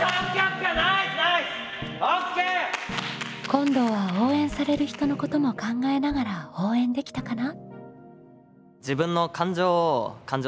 今度は応援される人のことも考えながら応援できたかな？